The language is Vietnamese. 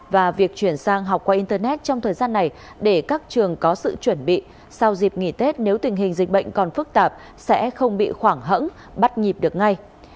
và việc chuyển sang học qua internet trong thời gian này để các trường có sự chuẩn bị sau dịp nghỉ tết nếu tình hình dịch bệnh còn phức tạp sẽ không bị khoảng hẫng bắt nhịp được ngay